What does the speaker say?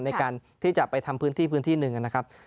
ในการที่จะไปทำพื้นที่๑นะครับ